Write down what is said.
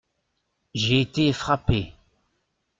J’ai été frappé.